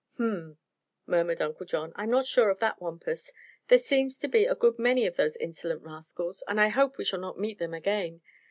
"H m," murmured Uncle John, "I'm not so sure of that, Wampus. There seems to be a good many of those insolent rascals, and I hope we shall not meet them again.